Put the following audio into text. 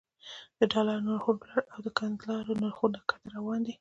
د ډالرو نرخونه لوړ او د کلدارو نرخونه ښکته روان دي